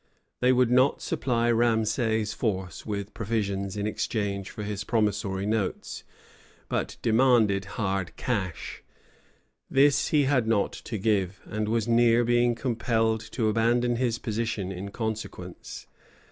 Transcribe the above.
They would not supply Ramesay's force with provisions in exchange for his promissory notes, but demanded hard cash. [Footnote: Ibid.] This he had not to give, and was near being compelled to abandon his position in consequence.